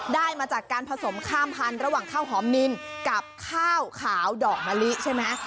ได้มาจากการผสมข้ามพันธุ์ระหว่างข้าวหอมนินกับข้าวขาวดอกมะลิใช่ไหม